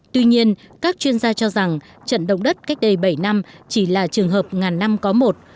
tuy nhiên các chuyên gia cho rằng trận động đất cách đây bảy năm chỉ là trường hợp ngàn năm có một